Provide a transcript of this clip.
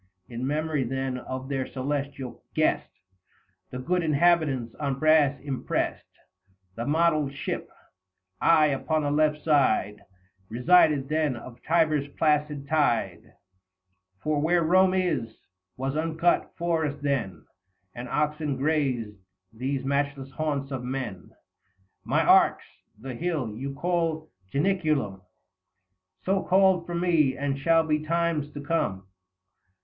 In memory, then, of their celestial guest, The good inhabitants on brass impressed 255 The modelled ship. I, upon the left side Kesided then, of Tiber's placid tide — For where Eome is, was uncut forest then, And oxen grazed these matchless haunts of men ; My arx, the hill, you call Janiculum, 260 So called from me, and shall be times to come.